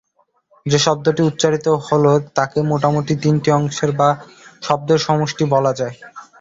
যে শব্দটি উচ্চারিত হল তাকে মোটামুটি তিনটি অংশের বা শব্দের সমষ্টি বলা যায়।